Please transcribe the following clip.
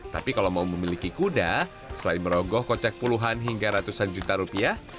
tapi kalau mau memiliki kuda selain merogoh kocek puluhan hingga ratusan juta rupiah